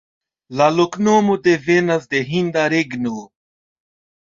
La loknomo devenas de hinda regno.